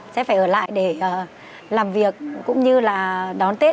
sẽ phải ở lại để làm việc cũng như là đón tết